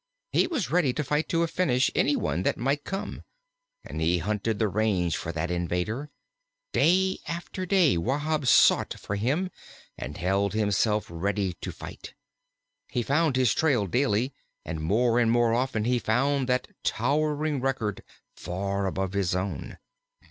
He was ready to fight to a finish anyone that might come; and he hunted the range for that invader. Day after day Wahb sought for him and held himself ready to fight. He found his trail daily, and more and more often he found that towering record far above his own.